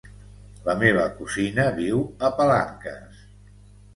La meva cosina viu a Palanques.